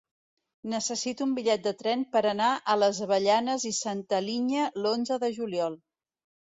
Necessito un bitllet de tren per anar a les Avellanes i Santa Linya l'onze de juliol.